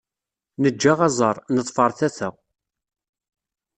Neǧǧa aẓar, neḍfer tata.